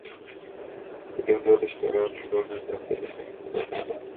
তিনি মনীষা আম্বেদকরের সাথে বিবাহবন্ধনে আবদ্ধ হয়েছেন।